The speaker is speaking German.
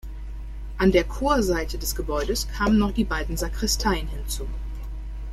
An der Chorseite des Gebäudes kamen noch die beiden Sakristeien hinzu.